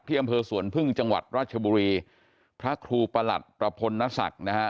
อำเภอสวนพึ่งจังหวัดราชบุรีพระครูประหลัดประพลนศักดิ์นะฮะ